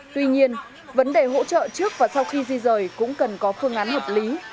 tuy nhiên vấn đề hỗ trợ trước và sau khi di rời cũng cần có phương án hợp lý